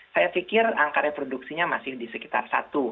saya pikir angka reproduksinya masih di sekitar satu